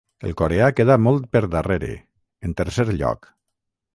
El coreà queda molt per darrere, en tercer lloc.